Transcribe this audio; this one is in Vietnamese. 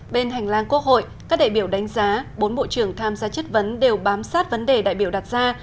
bên hành lang quốc hội các đại biểu đánh giá bốn bộ trưởng tham gia chất vấn đều bám sát vấn đề đại biểu đặt ra